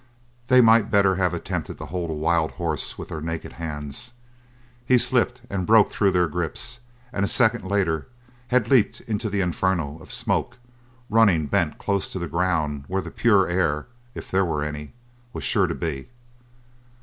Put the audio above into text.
They might better have attempted to hold a wild horse with their naked hands. He slipped and broke through their grips, and a second later had leaped into the inferno of smoke, running bent close to the ground where the pure air, if there were any, was sure to be.